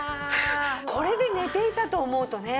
これで寝ていたと思うとね。